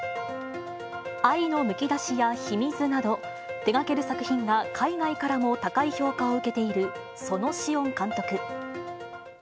愛のむきだしや、ヒミズなど、手がける作品が海外からも高い評価を受けている園子温監督。